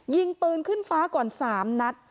ยิงปืนขึ้นฟ้าก่อน๓นัด